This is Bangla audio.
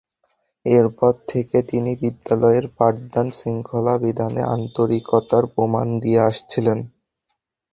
এরপর থেকে তিনি বিদ্যালয়ের পাঠদান, শৃঙ্খলা বিধানে আন্তরিকার প্রমাণ দিয়ে আসছিলেন।